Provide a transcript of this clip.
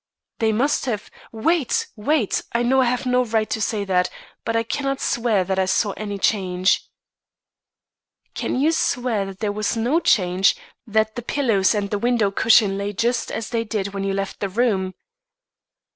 "They must have Wait wait! I know I have no right to say that, but I cannot swear that I saw any change." "Can you swear that there was no change that the pillows and the window cushion lay just as they did when you left the room?"